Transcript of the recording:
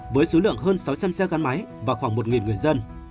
với số lượng hơn sáu trăm linh xe gắn máy và khoảng một người dân